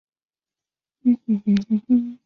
康提尼博物馆是位于法国马赛的一座博物馆。